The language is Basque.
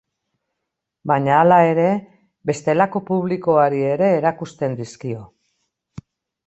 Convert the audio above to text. Baina hala ere, bestelako publikoari ere erakusten dizkio.